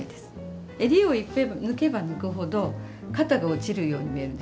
襟を抜けば抜くほど肩が落ちるように見えるんですよ。